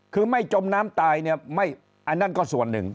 คือไม่จมน้ำตายน่ะก็ส่วนนึง